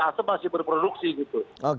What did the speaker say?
asap masih berproduksi gitu